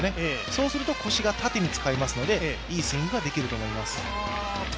そうすると、腰が縦に使えますのでいいスイングができると思います。